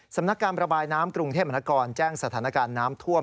สำนักการระบายน้ำกรุงเทพมนากรแจ้งสถานการณ์น้ำท่วม